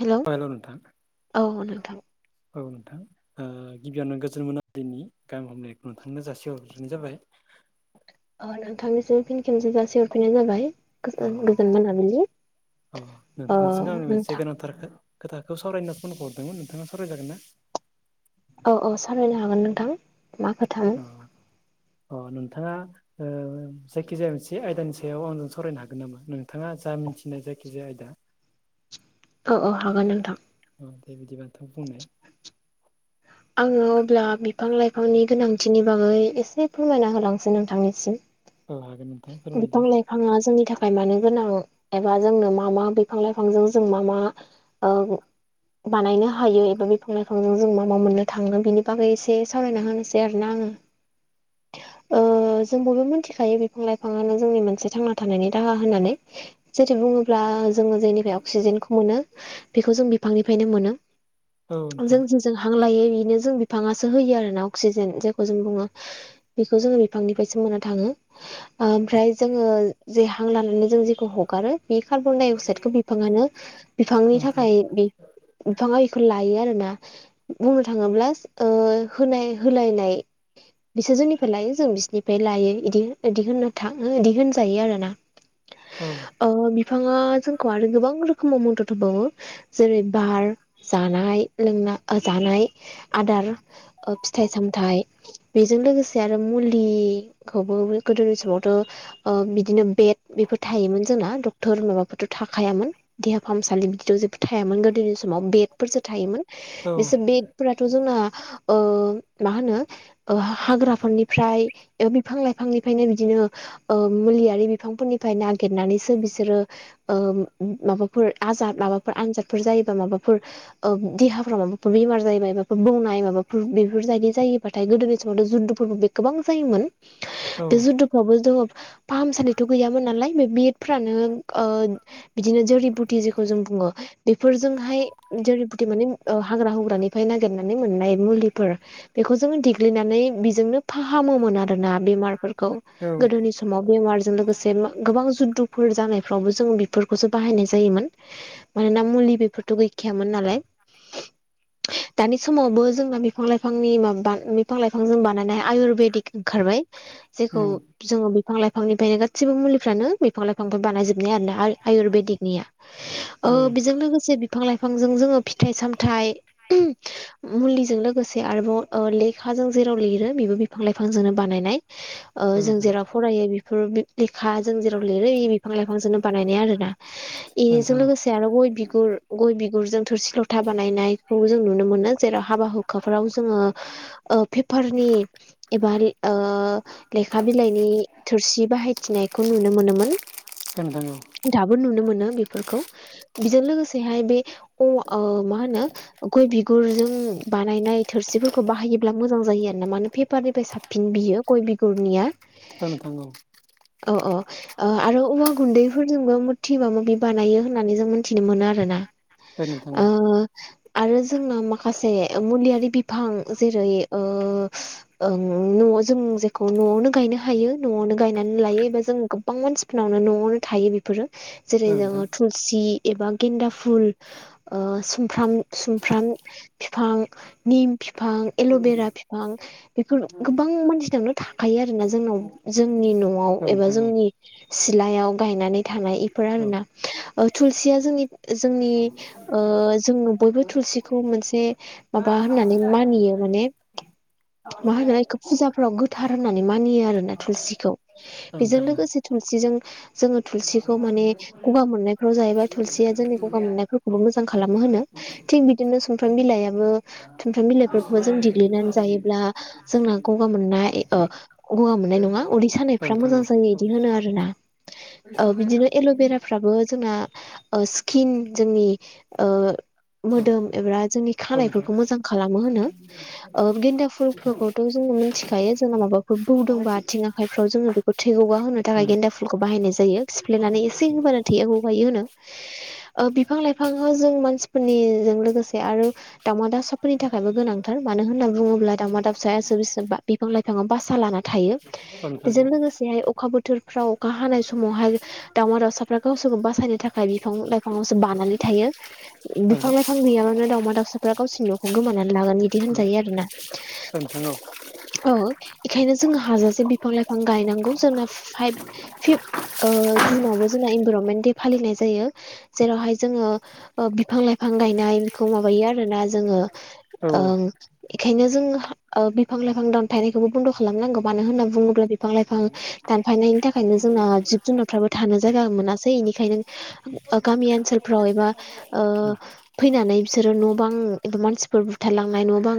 Hello अ hello नोंथां औ नोंथां औ नोंथां ओ गिबियावनो गोजोन मोनलिनि गाहाम हामनायखौ नोंथांनो जासिहरगोरनाय जाबाय। अ नोंथांनिसिम फिन खेनसे जासि हरफिन्नाय जाबाय। गोजोन गोजोन मोनाबिलि अह अह अ नोंथांजों आंनि मोनसे नोंथां गोनांथार खो खोथाखौ सावरायना होन्ना फन हरदोंमोन नोंथांङा सावरायजागोन ना? अ अ सावरायनो हागोन नोंथां। मा खोथा अह अ नोंथांङा ओ जायखिजाया मोनसे आयदानि सायाव आंजों सावरायनो हागोन नामा? नोंथांङा जा मिथिनाय जायखिजाया आयदा औ औ हागोन नोंथां अ दे बिदिबा नोंथा बुंनाय आङो अब्ला बिफां लाइफांनि गोनांथिनि बागै एसे फोरमायना होलांसै नोंथांनिसिम औ हागोन नोंथां फोरमायदो दंफां लाय बिफाङा जोंनि थाखाय मानो गोनां एबा जोंनो मा मा बिफां लाइफांजों जों मा मा औ बानायनो हायो एबा बिफां लाइफांजों जों मा मा मोननो थाङो बिनि बागै एसे सावरायना होनोसै आरो ना आङो जों बयबो मिथिखायो बे फां लाइफांङानो जोंनि मोनसे थांना थानायनि राहा होननानै जोथें बुंङो ब्ला जोङो जेनिफ्राय अक्सिजेनखौ मोनो बेखौ जों बिफांनिफ्रायनो मोनो। औ नोंथां जों जेजों हां लायो बेनो जों बिफाङासो होयो आरो ना अक्सिजेन जायखौ जों बुङो बिखौ जोङो बिफांनिफ्रायसो मोननो थाङो। ओमफ्राय जोङो जे हां लानानै जों जेखौ हगारो बे कार्बन दाइ अक्साइदखौ बिफाङानो बिफांनि नोंथां औ नोंथां थाखाय बि बिफाङा इखौ लायो आरोना। बुंनो थाङोब्ला ओ होनाय होलायनाय बिसोर जोंनिफ्राय लायो जों बिसोरनिफ्राय लायो इदि इदि होननो थाङो इदि होनजायो आरो ना? औ। ओ बिफाङा जोंखौ आरो गोबां रोखोमाव मदद होबावो जेरै बार जानाय लोंना ओ जानाय आदार ओ फिथाइ सामथाइ बेजों लोगोसे आरो मुलिखौबो गोदोनि समावथ' ओ बिदिनो बेड बेफोर थायोमोन जोंना डक्ट बेफोर माबाफोरथ' थाखायामोन देहा फाहामसालि बिदिथ' जेबो थायामोन गोदोनि समाव बेदफोरसो थायोमोन। औ बिसोर बिडफोराथ' जोंना ओ मा होनो ओ हा-हाग्राफोरनिफ्राय ओ बिफां लाइफांनि ओमफायनो बिदिनो ओ मुलियारि बिफांफोरनिफ्राय नागिरनानैसो बिसोरो ओ माबाफोर आजाद माबाफोर आनजादफोर जायोबा माबाफोर ओ देहाफ्राव माबाफोर बेमार जायो माफोर बौनाय माबाफोर बेफोरबायदि जायो बाथाय गोदोनि समावथ' जुद्दुफोरबो बे गोबां जायोमोन। औ बे जुद्दुफ्रावबो जोङो फाहामसालिथ' गैयामोन नालाय बे बेडफ्रानो ओ बिदिनो जोरिबुथि जेखौ जों बुङो बेफोरजोंहाय जरि बुटिमाने ओ हाग्रा हुग्रानिफ्राय नागिरनानै मोननाय मुलिफोर बेखौ जों देग्लिनानै बेजोंनो फाहामोमोन आरोना बेमारफोरखौ औ गोदोनि सम माव बेमारजों लोगोसे गोबां जुद्दुफोर जानायफ्रावबो जों बेफोरखौसो बाहायनाय जायोमोन। मानोना मुलि बेफोरथ' गैखायामोन नालाय। दानि समावबो जोंना बिफां लाइफांनि माबा बिफां लाइफां जों बानायनाय आयुरवेदिक ओंखारबाय। बाय औ जेखौ जोङो बिफां लाइफांनिफ्रायनो गासिबो मुलिफ्रानो बिफां लाइफांफोर बानायजोबनाय आरोना आयु-आयुरवेदिकनिया। ओ बेजों लोगोसे बिफां लाइफांजों जोङो फिथाइ सामथाइ मुलिजों लोगोसे आरोबाव ओ लेखाजों जेराव लिरो बेबो बिफां लाइफांजोंनो बानायनाय। ओ जों नोंथां जेराव फरायो बेफोर लेखा जों जेराव लिरो इ बिफां लाइफांजोंनो बानायनाय आरो ना। औ नोंथां एजों औ लोगोसे आरो गय बिगुर गय बिगुर जों थोरसि लथा बानायनायखौ जों नुनो मोनो। जेराव हाबा हु खाफोराव जोङो ओ पेपारनि एबा रि ओ लेखा बिलाइनि थोरसि बाहायथिनायखौ नुनो मोनोमोन। ओं नोंथां औ दाबो नुनो मोनो बेफोरखौ बेजों लोगोसेहाय बे अ ओ मा होनो गय बिगुरजों बानायनाय थोरसिफोरखौ बाहायोब्ला मोजां जायो आर ना मानो पेपारनिफ्राय साबसिन बियो। गय बिगुरनिया। ओं नोंथां औ अ अ। ओ आरो औवा गुन्दैफोरजोंबो मुरथि माबा मिबि बानायो होननानै जों मोनथिनो मोनो आरो ना। ओं नोंथां औ आरो जोंना माखासे मुलियारि बिफां जेरै ओ ओं न'आव जों जेखौ न'आवनो गायनो हायो न'आवनो गायनानै लायो। एबा जों गोबां मानसिफोरनावनो न'आवनो थायो बेफोरो औ जेरै नोंथां जोङो थुलसि एबा गेन्दा फुल, ओ सुमफ्राम सुमफ्राम फिफां निम फिफां एल'बेरा बिफां बेफोर गोबां मानसिनावनो थाखायो आरोना जोंनाव जोंनि न' आव औ एबा नोंथां औ जोंनि सिलायाव गायनानै थानाय इफोर औ आरो ना। ओ थुलसिया जोंनि जोंनि ओ जों बयबो थुलसिखौ मोनसे माबा होननानै मानियो माने [unintelligible] फुजाफ्राव गोथार होननानै मानियो आरो ना थुलसिखौ औ बेजों नोंथां औ लोगोसे थुलसिजों जोंङो थुलसिखौ माने गगा मोननायफ्राव जायोैबा थुलसिया जोंनि गगा मोननायफोरखौबो मोजां खालामो होनो। थिग बिदिनो सुमफ्राम बिलाइयाबो सुमफ्राम बिलाइफोरखौबो जों देग्लिनानै जायोब्ला जोंना गगा मोननाय ओ गगा मोननाय नंङा। उदै औ सानायफ्रा नोंथां मोजां औ जायो इदि होनो आरो ना। ओ बिदिनो एल'भेराफ्राबो जोंना ओ सिकिन जोंनि ओ औ मोदोम एबा जोंनि औ नोंथां खानायफोरखौ मोजां खालामो होनो ओ गेन्दा फुलफोरखौथ' जोंङो मिथिखायो जोंना माबा बो बौदोंबा आथिं आखाइफ्राव जोंङो बेखौ थै गगा होनो थाखाय उम गेन्दा फुलखौ बाहायनाय जायो। फ्लेनानै एसे होबानो थैया गगायो होनो। ओ बिफां लाइफांखो जों मानसिफोरनिजों लोगोसे आरो दावमा दउसाफोरनि थाखायबो गोनांथार मानो होनना बुंङोब्ला दावमा दाबसायासो [unintelligible] फां लाइफांङा बासा लाना थायो औ नोंथां बेजों औ लोगोसे अखा बोथोरफ्राव अखा हानाय समावहाय दावउमा दाउसाफ्रा गावसोरखौ बासायनो थाखाय बिफां लाइफांङावसो बानानै थायो। औ बिफां लाइफां गैयाबानो दावमा दाउसाफोरा गावसिनि न'खौ खोमानानै लागोन बिदि होनजायो आरो ना। [unintelligible] औ इखायनो जोंङो हाजासे बिफां लाइफां गायनांगौ जोंना फाइभ फिफ्थ ओ जुन आवबो जोंना इनभरनमेन्ट दे फालिनाय जायो। जेरावहाय जोङो ओ बिफां लाइफां गायनाय बेखौ माबायो आरो ना जोंङो औ ‌ ओं इखायनो जों ओ बिफां लाइफ फां दानफायनायखौबो बन्द' खालामनांगौ मानो होन्ना बुंङोब्ला बिफां लाइफां दानफायनायनि थाखायनो जोंना जिब जुनारफ्राबो थानो जायगा मोनासै इनिखायनो गामि ओनसोलफ्राव एबा ओ फैनानै बिसोरो न' बां एबा मानसिफोर बुथारलांनाय न' बां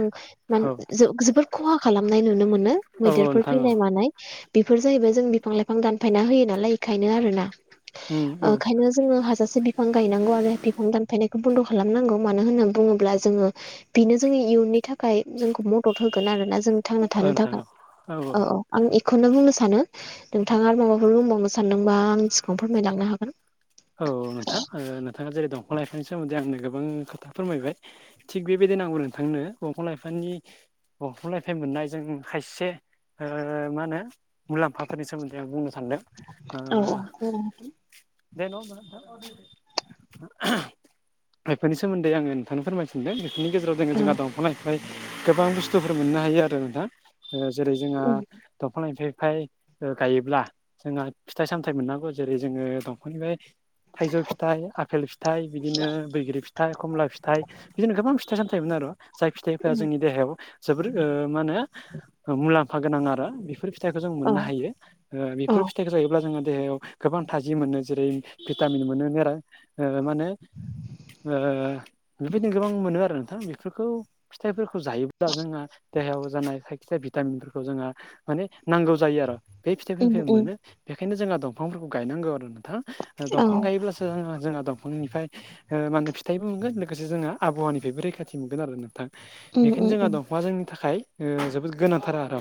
मान जो-जोबोर खहा खालामनाय नुनो मोनो औ मैदेरफोर नोंथां औ फैनाय मानाय। बेफोर जाहैबाय जों बिफां लाइफां दानफायना होयो नालाय एखायनो आरोना। उम औ ओंखायनो जोङो हाजासे बिफ बिफां गायनांगौ आरो बिफां दानफायनायखौ बन्द' खालामनांगौ मानो होनना बुङोब्ला जोङो बेनो जोंनि इयुननि थाखाय जोंखौ मदद होगोन आरोना जों थांना थानो थाखाय। औ औ आं एखौनो बुंनो सानो। नोंथाङा आरो माबाफोर बुंबावनो सानदोंबा आं सिगाङावनो फोरमायलांनो हागोन। औ नोंथां ओ खोथा जेरै दंफां लाइफां सोमोन्दै आं गोबां खोथा फोरमायबाय। थिग बेबायदिनो आंबो नोंथांनो दंफां लाइफांनि दंफां लाइफांनिफ्राय मोननायजों खायसे ओ मा होनो मुलाम्फाफोरनि सोमोन्दै आं बुंनो सान्दों ओ औ औ दे नंङा होमबा इफोरनि सोमोन्दै आंङो नोंथांनो फोरमाय सानदों नि गेजेराव जोंङो जोंङो दंफांनिफ्राय गोबां बुस्थुफोर मोननो हायो आरो नोंथां। ओ जेरै जोंहा उम दंफां एफाय फाय ओ गायोब्ला जोंहा फिथाइ सामथाइ मोननांगौ जेरै जोंङो दंफांनिफ्राय थाइजौ फिथाइ आफेल फिथाइ बिदिनो बैग्रि फिथाइ खमला फिथाइ बिदिनो गोबां फि थाइ सामथाय मोनो आरो जाय फिथाइफोरा उम जोंनि देहायाव जोबोर ओ मा होनो ओ मुलाम्फा गोनां आरो बेफोर फिथाइखौ जों औ मोननो हायो ओ औ बेफोर फिथाइखौ जायोब्ला जोंङो देहायाव गोबां थाजिम मोनो जेरै भिटामिन मोनो ओ मानो बेबायदिनो गोबां मोनो आरो नोंथां बेफोरखौ फिथाइफोरखौ जायोब्ला जोंहा देहायाव जानाय जायखिजाया भिटामिनफोरखौ जोंङो माने नांगौ जायो आरो। बे उम फिथाइफोरनिफ्राय उम मोनो बेखायनो जोंहा दंफांफोरखौ गायनांगौ आरो नोंथां ओ औ दंफां गायोब्लासो ओ जोंहा दंफांनिफ्राय ओ मा होनो फिथाइबो मोनगोन लोगोसे जों आबहावानिफ्रायबो रैखाथि मोनगोन आरो नोंथां। उम बेखायनो उम जोंहा उम दंफांआ जोंनि थाखाय ओ जोबोद गोनांथार आरो।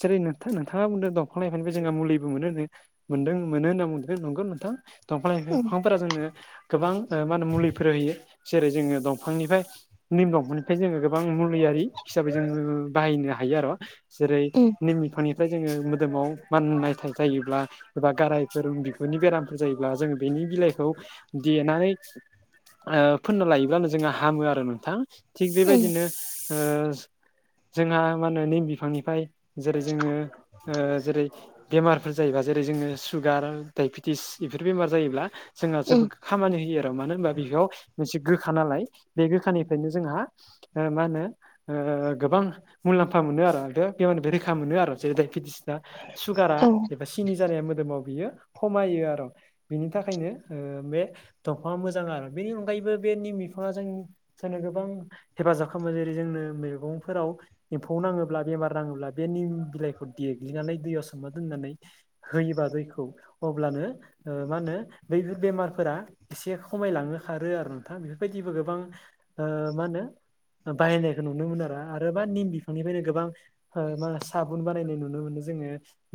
जेरै नोंथां नोंथाङा बुंदों दंफां लाइफांनिफ्राय जोंहा मुलिबो मोनो नो। मोनदों मोनो होनना बुंदों नंगौ नोंथां दंफां लाइफां फोरा जोंनो गोबां ओ मा होनो मुलिफोर होयो जेरै जोङो दंफांनिफ्राय निम दंफांनिफ्राय जोङो गोबां मुलियारि हिसाबै जोङो बाहायनो हायो आर'। जेरै उम निम बिफांनि ओमफ्राय जोङो मोदोमाव माननायथाय जायोब्ला एबा गारायफोर बिगुरनि बेराम जायोब्ला जों बेनि बिलाइखौ देनानै ओ फोनना लायोबानो जोंना हामो आरो नोंथां थिग उम बेबायदिनो ओ जोंहा मा होनो निम बिफांनिफ्राय जेरै जोङो ओ जेरै बेमारफोर जायोबा जेरै जोङो सुगार डाइबेटिस बेफोर बेमार जायोब्ला जोंहा उम जोबोद खामानि होयो आरो मानो होनबा बेयाव मोनसे गोखा नालाय बे गोखानिफ्रायनो जोंहा ओ मा होनो ओ गोबां मुलाम्फा मोनो आरो बेमारनिफ्राय रैखा मोनो आरो जा दायबेटिस दा सुगारा औ एबा सिनि जानाया मोदोमाव बियो खमायो आर'। बिनि थाखायनो ओ बे दंफाङा मोजां आरो बेनि अनगायैबो बे निम बिफाङा जोंनि जोंनो गोबां हेफाजाब खालामो जेरै जोंनो मैगंफोराव एम्फौ नाङोब्ला बेमार नाङोब्ला बे निम बिलाइखौ देग्लिनानै दैयाव सोमना दोननानै होयोबा दैखौ अब्लानो ओ मा होनो बैफोर बेमारफोरा एसे खमायलांनो खारो आरो नोंथां बेफोरबायदिबो गोबां ओ मा होनो बाहायनायखौ नुनो मोन आरो आरो बा निम बिफांनिफ्रायनो गोबां हो मा साबुन बानायनाय नुनो मोनो जोङो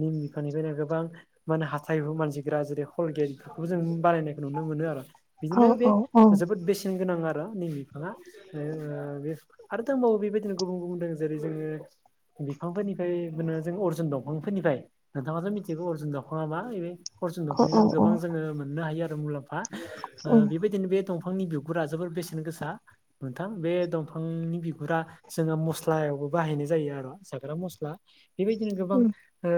निम बिफांनिफ्रायनो गोबां माने हाथाइ मानजिग्रा जेरै हल गेट बेफोरखौबो जों बानायनायखौ नुनो मोनो आरो। औ बिदिनो बे औ औ जोबोद बेसेन गोनां आरो निम बिफाङा। बे ओ आरो दंबावो बेबायदिनो गुबुन गुबुन दों जेरै जोङो बिफांफोरनिफ्राय मो जों अरजुन दंफांफोरनिफ्राय नोंथाङाथ' मिथिगौ अजुन दंफांआ मा बे अर्जुन औ माने बे औ औ गोबां जोङो मोननो हायो आरो मुलाम्फा उम बेबायदिनो बे दंफां दंफांनि बिगुरा जोबोर बेसेन गोसा नोंथां बे दंफांनि बिगुरा जोंङो मस्लायावबो बाहायनाय जायो आरो जाग्रा मस्ला बेबायदिनो गोबां उम ओ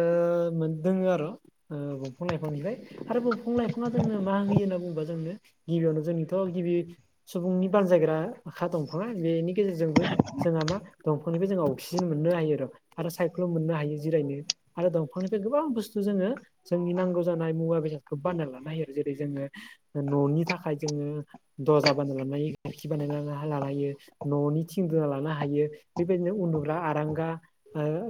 मोन दोङ आरो दंफां लाइफांनिफ्राय- आरो दफां लाइफाङा जोंनो मा होयो होनना बुंङोबा जोंनो गिबियावनो जोंनिथ' गिबि सुबुंनि बानजायग्रा आखा दंफाङा बेनि गेजेरजोंबो जोंहा मा दंफांनिफ्राय जों अक्सिजेन मोननो हायो र' आरो सायख्लुम मोननो हायो जिरायनो आरो दंफांनिफ्राय गोबां बुस्थु जोङो जोंनि नांगौ जानाय मुवा बेसादखौ बानायना लानो हायो जेरै जोङो न'नि थाखाय जोङो दरजा बानायनालांनानै खिरखि बानायना हा लालायो। न'नि थिं दा लानो हायो बेबायदिनो उन्दुुब्ला आरांगा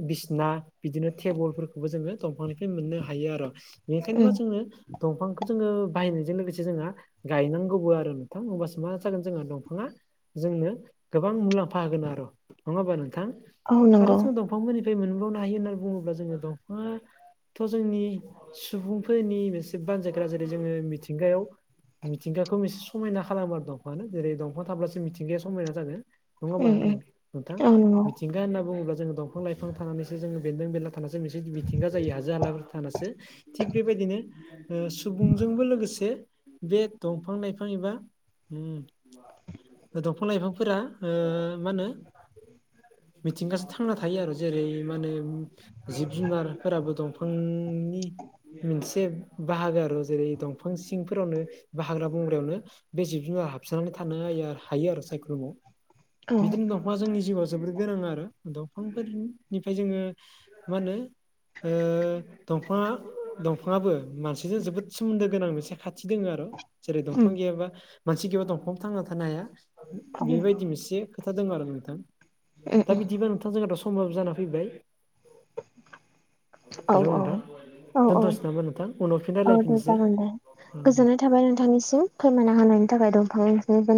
बिसना बिदिनो टेबोलफोरखौबो जोङो दंफांनिफ्राय मोननो हायो आर'। बेनिखायनो मा उम जोङो दंफांखौ जोङो बायनायजों लोगोसे जोंहा गायनांगौबो आरो नोंथां होमबासो मा जागोन जोङो दंफाङा जोंनो गोबां मुलाम्फा होगोन आरो नङा होमबा नोंथां औ आरो नंगौ जों दं। दंफांमोननिफ्राय मोनबावनो हायो होन्नानै बुङोब्ला जोङो दंफाङा थ' जोंनि सुबुंफोरनि मोनसे बानजायग्रा जेरै जोङो मिथिंगायाव मिथिंगाखौ एसे समायना खालामो आरो दंफाङानो जेरै दंफां थाब्लासो मिथिंगाया समायना जागोन नङा होमबा उम उम नोंथां? औ नंगौ मिथिंगा होनना बुङोब्ला जोङो दंफां लाइफां थानानैसो जोङो बेन्दों बेन्ला थानासो मोनसे मिथिंगा जायो हाजो हालाफोर थानासो थिग बेबायदिनो सुबुंजोंबो लोगोसे बे दंफां लाइफां एबा- दंफां लाइफांफोरा मा होनो मिथिंगासो थांना थायो आरो जेरै मा होनो जिब जुनारफोराबो दंफांनि मोनसे बाहागो आरो जेरै दंफां सिंफोरावनो ब हाग्रा बंग्रायावनो बे जिब जुनार हाबसनानै थानो हायो हायो आरो सायख्लुमाव औ बिदिनो दंफांआ जोंनि जिउआव जोबोर गोनां आरो दंफांफोरनिफ्राय जोङो मा होनो ओ दंफाङा दंफाङाबो- मानसिजों जोबोद सोमोन्दो गोनां मोनसे खाथि दङ आरो जेरै उम दंफां गैयाबा मानसि गेबा दंफां थांना थानो हाया औ बेबायदि मोनसे खोथा दङ आरो नोंथां उम दा उम बिदिबा नोंथां जोंहाथ' समाबो जाना फैबाय औ हेलौ नोंथां औ औ दोनथ'नोसै नामा नोंथां उनाव फिन औ दे रलायफिननोसै जागोन दे गोजोननाय थाबाय नोंथांनिसिम फोरमायना होनायनि थाखाय दंफांनि गोनांथि